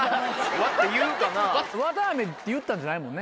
「わたあめ」って言ったんじゃないもんね。